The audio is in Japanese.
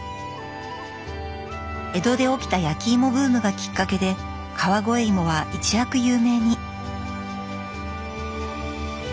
江戸で起きた焼き芋ブームがきっかけで川越いもは一躍有名に。